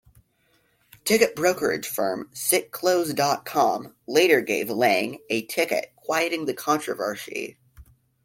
Ticket brokerage firm "sitclose dot com" later gave Lange a ticket, quieting the controversy.